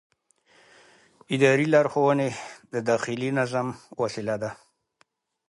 اداري لارښوونې د داخلي نظم وسیله ده.